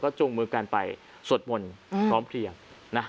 จูงมือกันไปสวดมนต์พร้อมเพลียงนะ